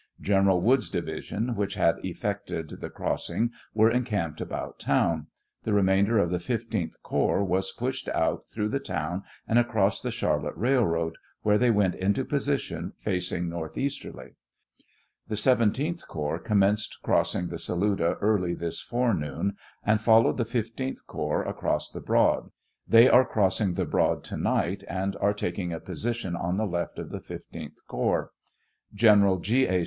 General Wood's division, which had effected the crossing, were encamped about town. The remainder of the 15th corps was pushed out through the town and across the Charlotte Railroad, where they went into position, facing northeasterly. The 17th corps commenced crossing the Saluda early this forenoon, and followed the 15th corps across the Broad. They are crossing the Broad to night, and are taking a position on the left of the 15th corps. Gefferal G . A.